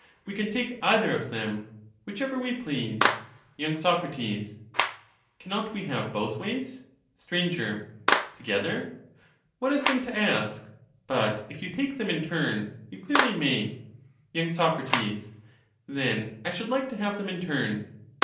We can take either of them, whichever we please. y. Soc. Cannot we have both ways ? Sir. Together ? What a thing to ask I but, if you take them in turn, you clearly may. y. Soc. Then I should like to have them in turn.